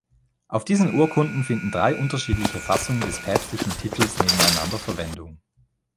Auf diesen Urkunden finden drei unterschiedliche Fassungen des päpstlichen Titels nebeneinander Verwendung.